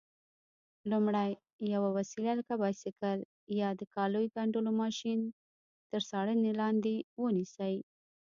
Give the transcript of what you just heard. لومړی: یوه وسیله لکه بایسکل یا د کالیو ګنډلو ماشین تر څارنې لاندې ونیسئ.